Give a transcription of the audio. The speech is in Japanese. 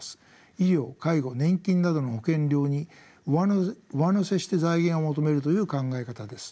医療・介護・年金などの保険料に上乗せして財源を求めるという考え方です。